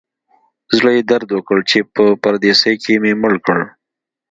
زړه یې درد وکړ چې په پردیسي کې مې مړ کړ.